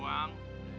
ya itu doang